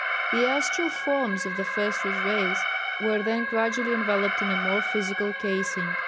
The astral forms of the First Root Race were then gradually enveloped in a more physical casing.